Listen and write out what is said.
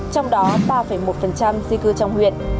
trong đó ba một di cư trong huyện